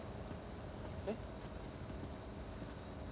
えっ？